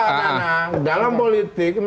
karena dalam politik